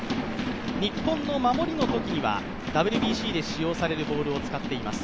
日本の守りのときにはＷＢＣで使用されるボールを使っています。